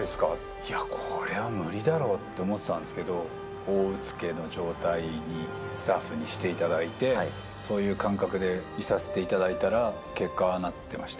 いや、これは無理だろうって思ってたんですけど、大うつけの状態に、スタッフにしていただいて、そういう感覚でいさせていただいたら、結果、ああなってました。